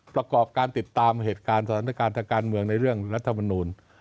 ประกอบการติดตามเหตุการณ์สถานการณ์ทางการเมืองในเรื่องรัฐมนูล